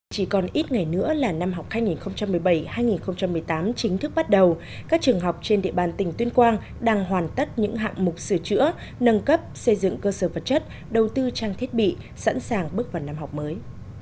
chỉ còn ít ngày nữa là năm học hai nghìn một mươi bảy hai nghìn một mươi tám chính thức bắt đầu các trường học trên địa bàn tỉnh tuyên quang đang hoàn tất những hạng mục sửa chữa nâng cấp xây dựng cơ sở vật chất đầu tư trang thiết bị sẵn sàng bước vào năm học mới